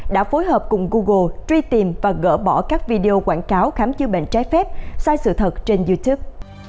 đã phối hợp cùng google truy tìm và gỡ bỏ các video quảng cáo khám chữa bệnh trái phép sai sự thật trên youtube